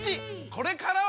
これからは！